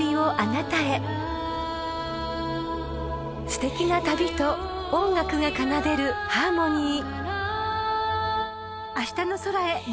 ［すてきな旅と音楽が奏でるハーモニー］